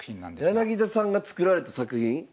柳田さんが作られた作品？